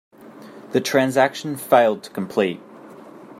The transaction failed to complete.